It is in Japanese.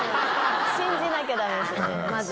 信じなきゃダメですよねまずは。